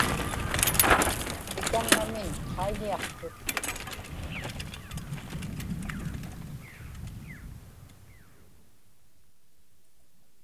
ikaŋŋamiñ qaiñiaqtut